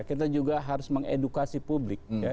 kita juga harus mengedukasi publik ya